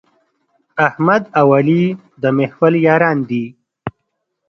احمد او علي د محفل یاران دي.